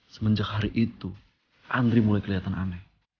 semenjak hari itu andre mulai keliatan aneh